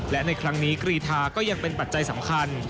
และในครั้งนี้กรีธาก็ยังเป็นปัจจัยสำคัญ